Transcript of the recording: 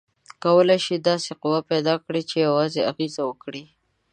کولی شئ داسې قوه پیداکړئ چې یوازې اغیزه وکړي؟